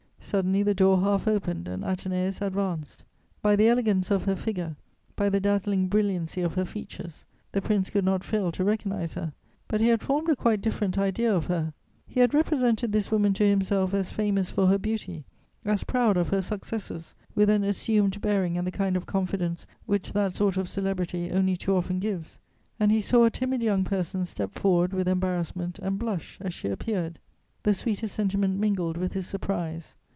Suddenly the door half opened, and Athenais advanced. By the elegance of her figure, by the dazzling brilliancy of her features, the Prince could not fail to recognise her, but he had formed a quite different idea of her: he had represented this woman to himself as famous for her beauty, as proud of her successes, with an assumed bearing and the kind of confidence which that sort of celebrity only too often gives; and he saw a timid young person step forward with embarrassment and blush as she appeared. The sweetest sentiment mingled with his surprise.